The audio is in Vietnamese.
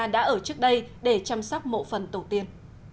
để chăm sóc mộ phần tổ tiên